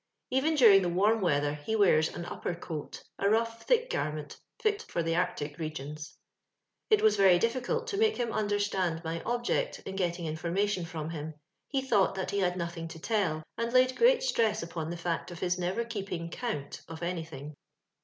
Even during the warm weather he wears an upper coat — a rough thick garment, fit for the Arctic regions. It was very difficult to make him understand my object in getting information from him: he thought that he had nothing to tell, and laid great stress upon the fact of his never keeping " count" of any thing.